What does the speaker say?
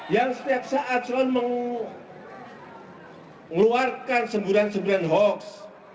yang setiap saat selalu mengeluarkan semburan semburan hoax